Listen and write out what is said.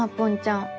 ん？